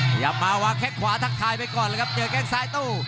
ขยับมาวางแข้งขวาทักทายไปก่อนเลยครับเจอแค่งซ้ายโต้